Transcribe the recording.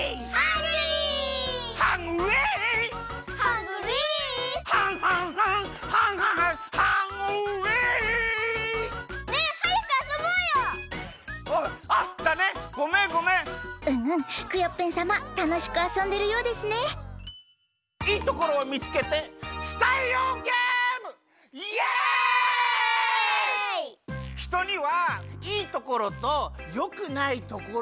ひとにはいいところとよくないところがありますよね？